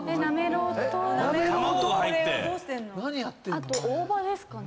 あと大葉ですかね。